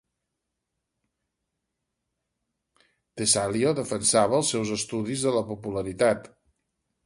Tesalio defensava els seus estudis de la popularitat